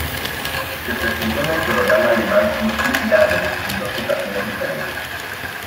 Se presentó en el programa alemán ""Musikladen"" en dos ocasiones diferentes.